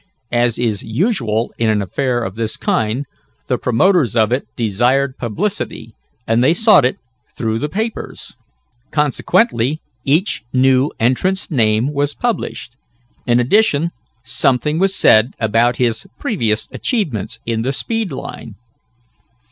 As is usual in an affair of this kind, the promoters of it desired publicity, and they sought it through the papers. Consequently each new entrant's name was published. In addition something was said about his previous achievements in the speed line.